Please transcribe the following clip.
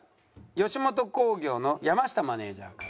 吉本興業の山下マネジャーから。